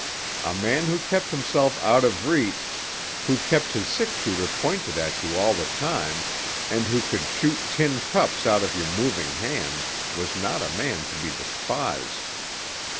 A man who kept himself out of reach, who kept his six shooter pointed at you all the time, and who could shoot tin cups out of your moving hand, was not a man to be despised.